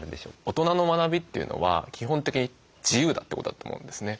大人の学びというのは基本的に自由だってことだと思うんですね。